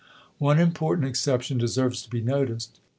One important exception deserves to be noticed.